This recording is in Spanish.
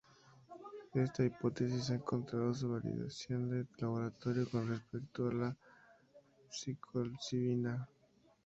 Esta hipótesis ha encontrado su validación de laboratorio con respecto a la psilocibina.